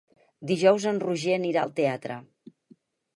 Dijous en Roger anirà al teatre.